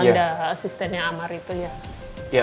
ada asistennya amar itu ya